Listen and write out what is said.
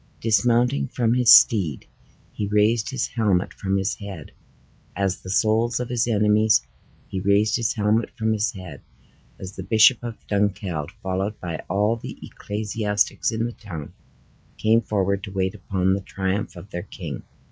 Dismounting from his steed, he raised his helmet from his head, as the souls of his enemies, he raised his helmet from his head, as the Bishop of Dunkeld, followed by all the ecclesiastics in the town, came forward to wait upon the triumph of their king.